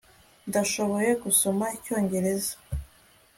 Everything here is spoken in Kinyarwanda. ndashoboye gusoma icyongereza